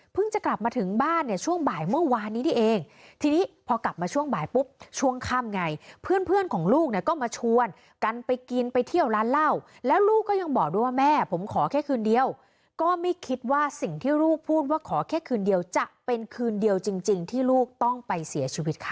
จะกลับมาถึงบ้านเนี่ยช่วงบ่ายเมื่อวานนี้นี่เองทีนี้พอกลับมาช่วงบ่ายปุ๊บช่วงค่ำไงเพื่อนเพื่อนของลูกเนี่ยก็มาชวนกันไปกินไปเที่ยวร้านเหล้าแล้วลูกก็ยังบอกด้วยว่าแม่ผมขอแค่คืนเดียวก็ไม่คิดว่าสิ่งที่ลูกพูดว่าขอแค่คืนเดียวจะเป็นคืนเดียวจริงที่ลูกต้องไปเสียชีวิตค่ะ